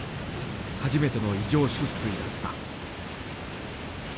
初めての異常出水だった。